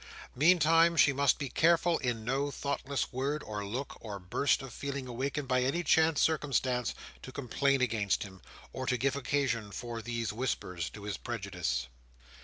Meantime she must be careful in no thoughtless word, or look, or burst of feeling awakened by any chance circumstance, to complain against him, or to give occasion for these whispers to his prejudice.